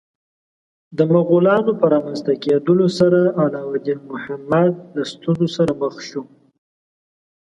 د مغولانو په رامنځته کېدا سره علاوالدین محمد له ستونزو سره مخ شو.